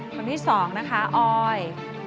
คนที่๒นะคะออย